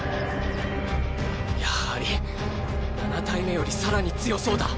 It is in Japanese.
やはり７体目より更に強そうだ。